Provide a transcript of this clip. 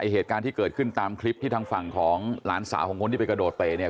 เหตุการณ์ที่เกิดขึ้นตามคลิปที่ทางฝั่งของหลานสาวของคนที่ไปกระโดดเตะเนี่ย